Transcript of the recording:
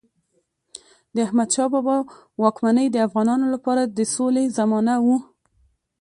د احمدشاه بابا واکمني د افغانانو لپاره د سولې زمانه وه.